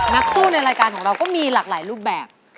นักสู้ในรายการของเราก็มีหลากหลายรูปแบบ